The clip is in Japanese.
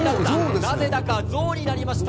なぜだか象になりました。